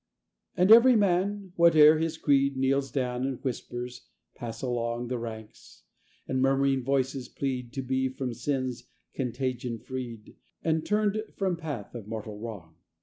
And every man, whate'er his creed, Kneels down, and whispers pass along The ranks, and murmuring voices plead To be from sin's contagion freed And turned from path of mortal wrong.